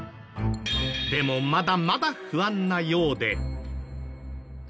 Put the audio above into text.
でもまだまだ不安なようで。